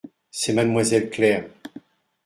C'est mademoiselle Claire.